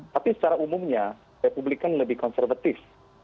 tapi secara umumnya republikan lebih konservatif